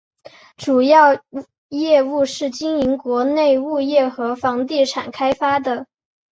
主要业务是经营国内物业和房地产开发的。